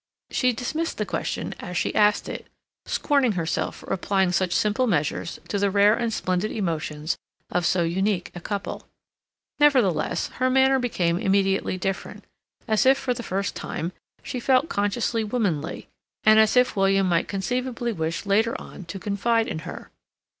She dismissed the question as she asked it, scorning herself for applying such simple measures to the rare and splendid emotions of so unique a couple. Nevertheless, her manner became immediately different, as if, for the first time, she felt consciously womanly, and as if William might conceivably wish later on to confide in her.